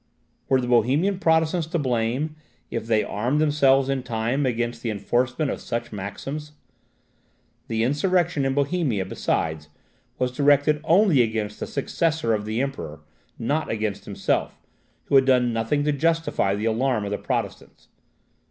Were the Bohemian Protestants to blame, if they armed themselves in time against the enforcement of such maxims? The insurrection in Bohemia, besides, was directed only against the successor of the Emperor, not against himself, who had done nothing to justify the alarm of the Protestants.